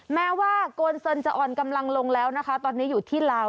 แม้ว่าโกนเซินจะอ่อนกำลังลงแล้วนะคะตอนนี้อยู่ที่ลาว